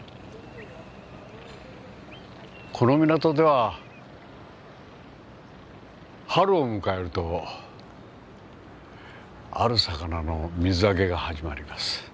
この港では春を迎えるとある魚の水揚げが始まります。